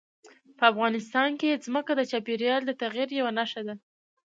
په افغانستان کې ځمکه د چاپېریال د تغیر یوه نښه ده.